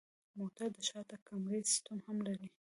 موټر د شاته کمرې سیستم هم لري.